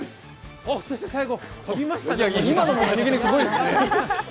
そして最後、飛びましたね。